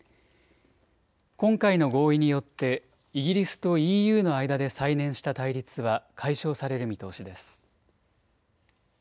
今回の合意によってイギリスとＥＵの間で再燃した対立は解消される見通しです。